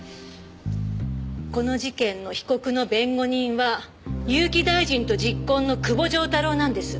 この事件の被告の弁護人は結城大臣と昵懇の久保丈太郎なんです。